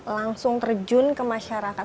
langsung terjun ke masyarakat